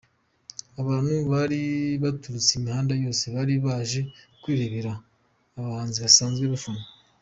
Abantu bari baturutse imihanda yose bari baje kwirebera abahanzi basanzwe bafana.